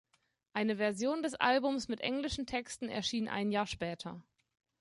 Eine Version des Albums mit englischen Texten erschien ein Jahr später.